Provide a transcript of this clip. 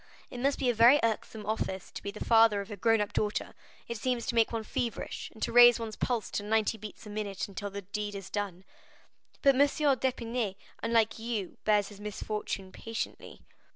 It must be a very irksome office to be the father of a grown up daughter; it seems to make one feverish, and to raise one's pulse to ninety beats a minute until the deed is done." "But M. d'Épinay, unlike you, bears his misfortune patiently."